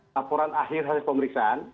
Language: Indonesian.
laporan akhir hasil pemeriksaan